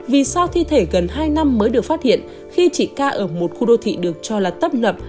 vì sao thi thể gần hai năm mới được phát hiện khi chỉ ca ở một khu đô thị được cho là tấp nập